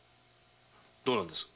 どうなんです？